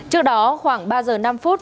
trước đó khoảng ba h năm phút